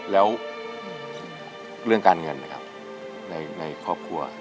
แล้วเรื่องการเงินนะครับในครอบครัว